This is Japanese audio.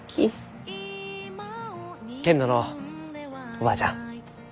けんどのうおばあちゃん。